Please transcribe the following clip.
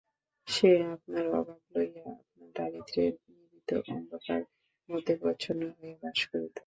সে আপনার অভাব লইয়া আপনার দারিদ্র্যের নিভৃত অন্ধকারের মধ্যে প্রচ্ছন্ন হইয়া বাস করিত।